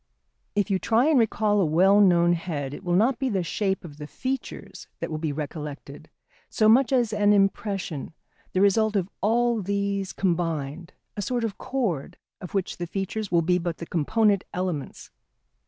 ] If you try and recall a well known head it will not be the shape of the features that will be recollected so much as an impression, the result of all these combined, a sort of chord of which the features will be but the component elements.